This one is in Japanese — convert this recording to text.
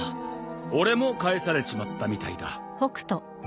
俺も帰されちまったみたいだ。